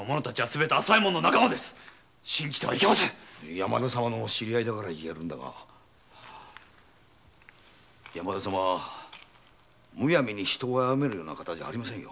山田様の知り合いだから言えるんだが山田様はむやみに人を殺めるような方ではありませんよ。